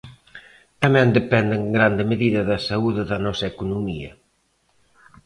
Tamén depende en grande medida da saúde da nosa economía.